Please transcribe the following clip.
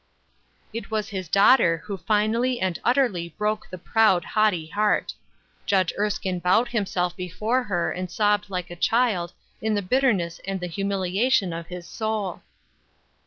It was his daughter who finally and utterly broke the proud, haughty heart. Judge Erskine bowed himself before her and sobbed like a child in the bitterness and the humiliation of his soul.